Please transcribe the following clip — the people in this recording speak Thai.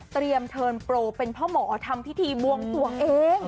เตรียมเทิร์นโปรเป็นพ่อหมอทำพิธีมวงตัวเอง